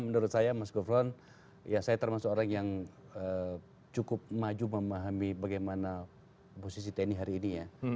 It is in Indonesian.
menurut saya mas gufron ya saya termasuk orang yang cukup maju memahami bagaimana posisi tni hari ini ya